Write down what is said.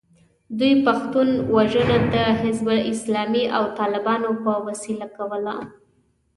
دوی پښتون وژنه د حزب اسلامي او طالبانو په وسیله کوله.